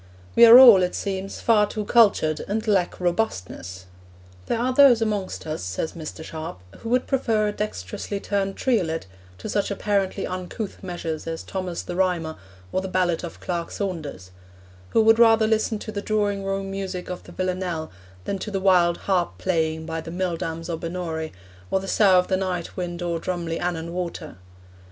We are all, it seems, far too cultured, and lack robustness. 'There are those amongst us,' says Mr. Sharp, 'who would prefer a dexterously turned triolet to such apparently uncouth measures as Thomas the Rhymer, or the ballad of Clerk Saunders: who would rather listen to the drawing room music of the Villanelle than to the wild harp playing by the mill dams o' Binnorie, or the sough of the night wind o'er drumly Annan water.'